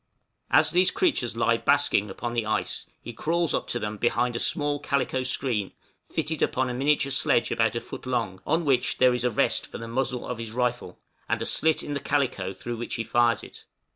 As these creatures lie basking upon the ice, he crawls up to them behind a small calico screen, fitted upon a miniature sledge about a foot long, on which there is a rest for the muzzle of his rifle, and a slit in the calico through which he fires it.